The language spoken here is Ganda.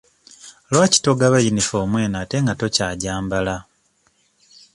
Lwaki togaba yunifoomu eno ate nga tokyagyambala?